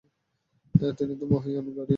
তিনি তো মহীয়ান গরীয়ান।